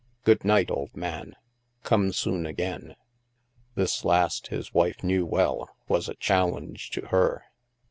Good night, old man. Come soon again." This last, his wife well knew, was a challenge to her.